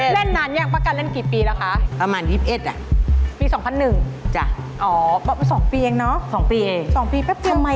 แล้นนานยังพะกัลเล่นกี่ปีแล้วคะ